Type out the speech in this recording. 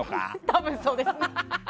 多分そうですね。